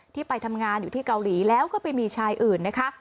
ไปทำงานอยู่ที่เกาหลีแล้วก็ไปมีชายอื่นนะคะ